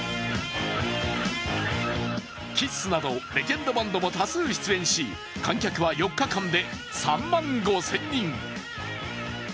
ＫＩＳＳなどレジェンドバンドも多数出演し、観客は４日間で３万５０００人。